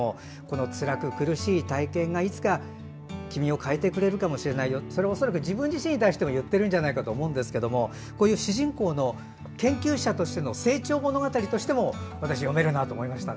つらく苦しい体験がいつか君を変えてくれるかもしれないよって、それはおそらく自分自身に対しても言っているんじゃないかと思いますがこういう主人公の研究者としての成長物語としても私は読めるなと思いましたね。